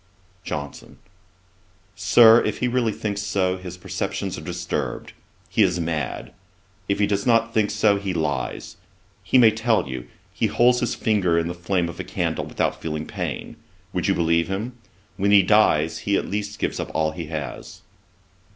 JOHNSON: 'Sir, if he really thinks so, his perceptions are disturbed; he is mad: if he does not think so, he lies. He may tell you, he holds his finger in the flame of a candle, without feeling pain; would you believe him? When he dies, he at least gives up all he has.'